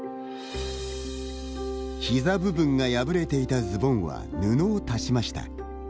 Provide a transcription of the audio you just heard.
膝部分が破れていたズボンは布を足しました。